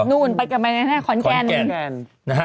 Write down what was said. นู่นไปกับใบแดงขอนแกน